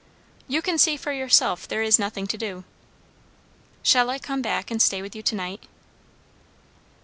"You can see for yourself, there is nothing to do." "Shall I come back and stay with you to night?"